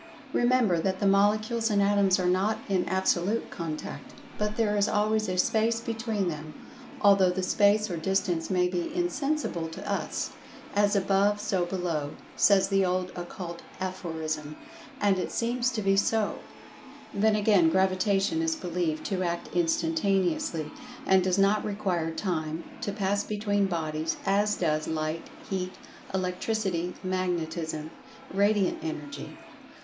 Remember, that the Molecules and Atoms are not in absolute contact, but there is always a "space" between them, although the space or distance may be "insensible" to us. "As above, so below,"[Pg 143] says the old occult aphorism, and it seems to be so. Then again, Gravitation is believed to act instantaneously, and does not require Time to pass between bodies, as does Light, Heat, Electricity, Magnetism—Radiant Energy.